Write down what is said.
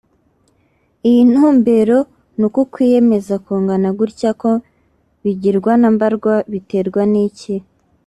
“iyi ntumbero n’uku kwiyemeza kungana gutya ko bigirwa na mbarwa biterwa n’iki